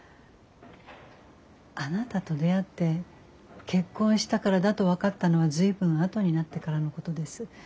あなたと出会って結婚したからだと分かったのは随分後になってからのことです。